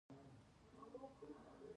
ایا ستاسو روزي به پراخه نه شي؟